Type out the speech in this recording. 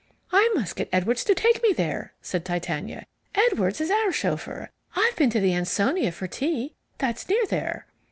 "I must get Edwards to take me there," said Titania. "Edwards is our chauffeur. I've been to the Ansonia for tea, that's near there."